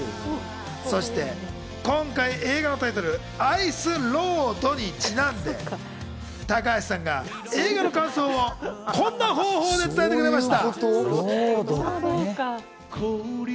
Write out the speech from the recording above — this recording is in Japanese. そして今回、映画のタイトル『アイス・ロード』にちなんで高橋さんは映画の感想をこんな方法で伝えてくれました。